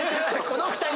この２人⁉